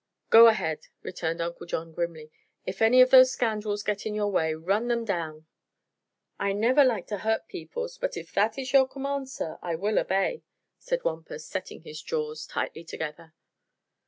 "Go ahead," returned Uncle John, grimly. "If any of those scoundrels get in your way, run them down." "I never like to hurt peoples; but if that is your command, sir, I will obey," said Wampus, setting his jaws tightly together.